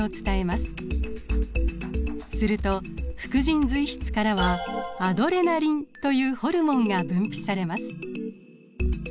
すると副腎髄質からはアドレナリンというホルモンが分泌されます。